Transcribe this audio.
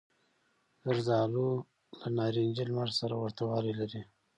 زردالو له نارنجي لمر سره ورته والی لري.